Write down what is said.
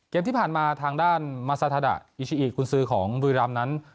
ที่ผ่านมาทางด้านมาซาทาดะอิชิอิคุณซื้อของบุรีรำนั้น